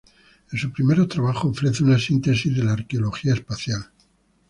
En sus primeros trabajos ofrece una síntesis de la arqueología espacial.